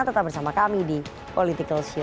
tetap bersama kami di political show